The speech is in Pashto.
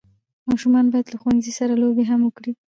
ماشومان باید له ښوونځي سره لوبي هم وکړي.